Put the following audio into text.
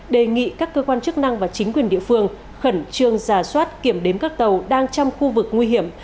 đề nghị các cơ quan chức năng và chính quyền địa phương khẩn trương giả soát kiểm đếm các tàu đang trong khu vực nguy hiểm